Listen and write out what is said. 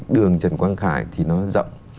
đường trần quang khải thì nó rộng